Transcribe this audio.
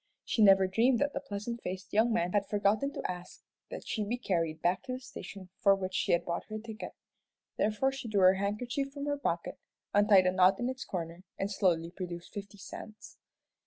She never dreamed that the pleasant faced young man had forgotten to ask that she be carried back to the station for which she had bought her ticket. Therefore she drew her handkerchief from her pocket, untied a knot in its corner, and slowly produced fifty cents.